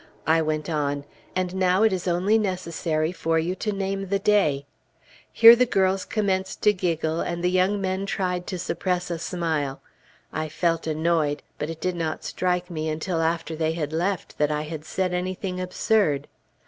I went on: "And now, it is only necessary for you to name the day " Here the girls commenced to giggle, and the young men tried to suppress a smile; I felt annoyed, but it did not strike me until after they had left, that I had said anything absurd.